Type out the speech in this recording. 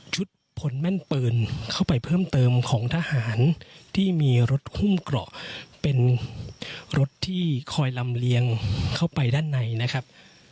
ผลแม่นปืนเข้าไปเพิ่มเติมของทหารที่มีรถหุ้มเกราะเป็นรถที่คอยลำเลียงเข้าไปด้านในนะครับ